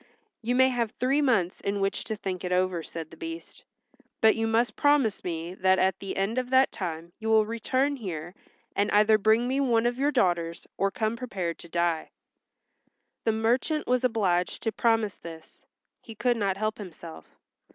"You may have three months in which to think it over," said the Beast. "But you must promise me that at the end of that time you will return here and either bring me one of your daughters or come prepared to die." The merchant was obliged to promise this; he could not help himself.